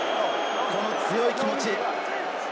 この強い気持ち。